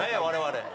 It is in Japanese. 我々。